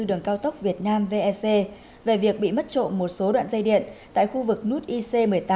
đường cao tốc việt nam vec về việc bị mất trộm một số đoạn dây điện tại khu vực nút ic một mươi tám